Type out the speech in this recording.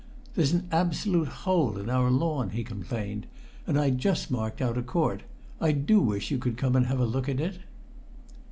"There's an absolute hole in our lawn," he complained "and I'd just marked out a court. I do wish you could come and have a look at it."